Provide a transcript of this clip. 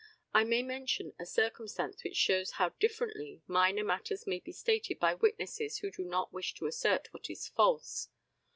I may mention a circumstance which shows how differently minor matters may be stated by witnesses who do not wish to assert what is false.